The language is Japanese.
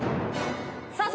さあ